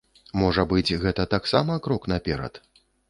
Можа быць, гэта таксама крок наперад?